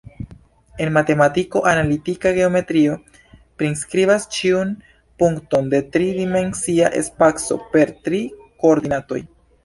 En matematiko, analitika geometrio, priskribas ĉiun punkton de tri-dimensia spaco per tri koordinatoj.